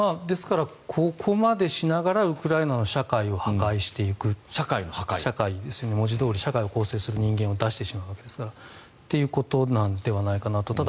ですからここまでしながらウクライナの社会を破壊していく文字どおり社会を構成する人間を出してしまうわけですから。ということではないのかなと。